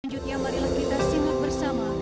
selanjutnya mari kita simul bersama